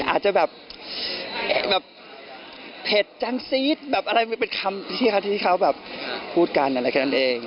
อาจจะแบบเผ็ดจังซี๊ดแบบอะไรมันเป็นคำที่เขาแบบพูดกันอะไรแค่นั้นเอง